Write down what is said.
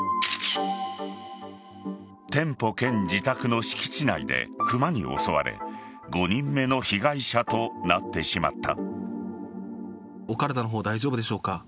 店舗兼自宅の敷地内でクマに襲われ５人目の被害者となってしまった。